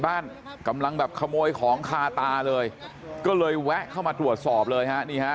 บ้านกำลังแบบขโมยของคาตาเลยก็เลยแวะเข้ามาตรวจสอบเลยฮะนี่ฮะ